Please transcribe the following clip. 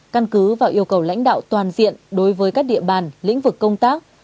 căn cứ và yêu cầu lãnh đạo toàn diện đối với các địa bàn lĩnh vực công tác